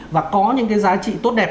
và có những cái giá trị tốt đẹp